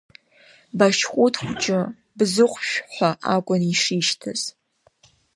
Башьхәыҭ хәҷы бзыхәшә ҳәа акәын ишишьҭаз.